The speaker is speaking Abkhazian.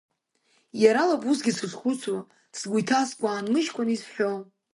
Иаралоуп усгьы сышхәыцуа, сгәы иҭаскуа аанмыжькәан изҳәо.